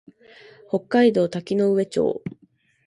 北海道滝上町